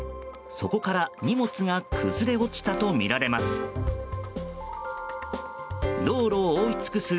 そこから荷物が崩れ落ちたとみられます。